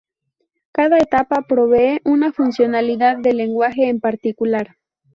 Cada etapa provee una funcionalidad del lenguaje en particular.